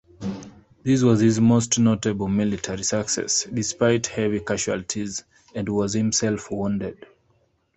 This was his most notable military success, despite heavy casualties and was himself wounded.